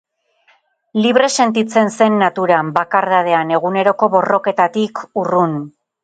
Libre sentitzen zen naturan, bakardadean, eguneroko borroketatik urrun.